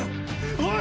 おい！